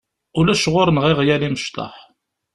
Ulac ɣur-neɣ iɣyal imecṭaḥ.